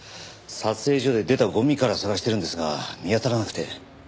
撮影所で出たゴミから捜してるんですが見当たらなくて。